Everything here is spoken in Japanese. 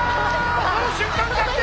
この瞬間逆転！